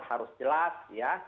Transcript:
harus jelas ya